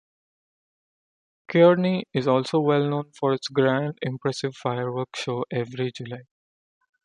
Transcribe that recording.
Kearney is also well-known for its grand, impressive firework show every July.